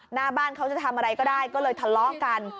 หน้าบ้านเขาจะทำอะไรก็ได้ก็เลยทะเลาะกัน